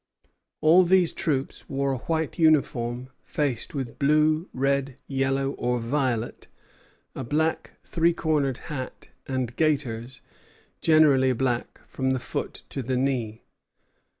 All these troops wore a white uniform, faced with blue, red, yellow, or violet, a black three cornered hat, and gaiters, generally black, from the foot to the knee.